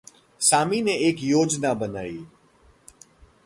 सामी ने एक योजना बनायी।